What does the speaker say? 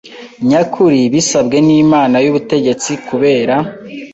nyakuri bisabwe n Inama y Ubutegetsi kubera